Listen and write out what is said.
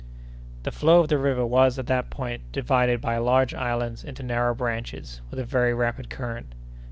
The flow of the river was, at that point, divided by large islands into narrow branches, with a very rapid current.